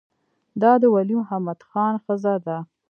دا د ولی محمد خان ښځه ده.